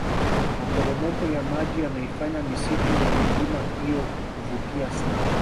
maporomoko ya maji yanaifanya misitu ya milima hiyo kuvutia sana